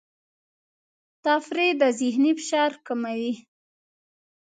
تفریح د ذهني فشار کموي.